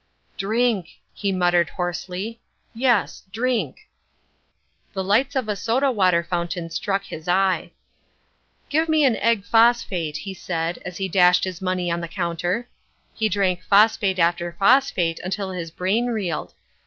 "Drink," he muttered hoarsely, "yes, drink." The lights of a soda water fountain struck his eye. "Give me an egg phosphate," he said as he dashed his money on the counter. He drank phosphate after phosphate till his brain reeled.